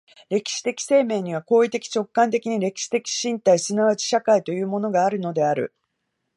歴史的生命には行為的直観的に歴史的身体即ち社会というものがあるのである。